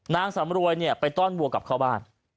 นางสำรวยเนี่ยไปต้อนวัวกลับเข้าบ้าน